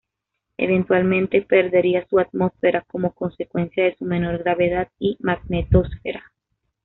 Eventualmente perdería su atmósfera como consecuencia de su menor gravedad y magnetosfera.